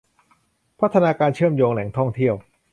พัฒนาการเชื่อมโยงแหล่งท่องเที่ยว